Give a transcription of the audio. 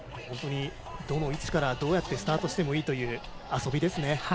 本当にどの位置から、どうやってスタートしてもいいという遊びですね。